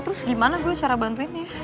terus gimana gue cara bantuinnya